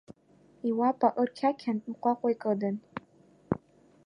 Иоупа ырқьақьан иҟәаҟәа икыдын.